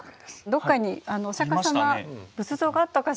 どっかにお釈迦様仏像があったかしら？